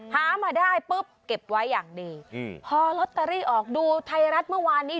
หามาได้ปุ๊บเก็บไว้อย่างดีอืมพอลอตเตอรี่ออกดูไทยรัฐเมื่อวานนี้